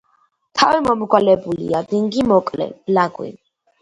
თავი მომრგვალებულია, დინგი მოკლე, ბლაგვი.